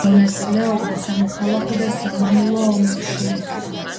მონაწილეობდა სამოქალაქო და სამამულო ომებში.